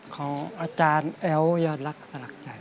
ของอาจารย์เอ๋วยอดรักษ์ศาลักษณ์ใจ